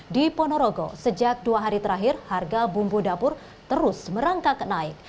di ponorogo sejak dua hari terakhir harga bumbu dapur terus merangkak naik